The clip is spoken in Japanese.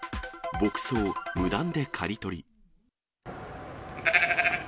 牧草、無断で刈り取り。